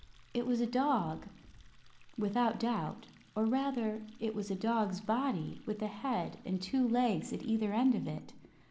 It was a dog, without doubt; or rather, it was a dog's body with a head and two legs at either end of it.